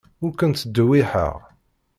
Ur kent-ttdewwiḥeɣ.